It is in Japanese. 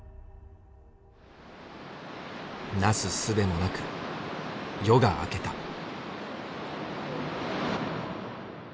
なすすべもなく夜が明けた。